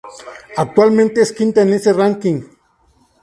Actualmente es quinta en ese ranking.